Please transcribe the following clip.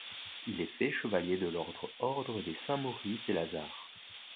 Il est fait chevalier de l'ordre Ordre des Saints-Maurice-et-Lazare.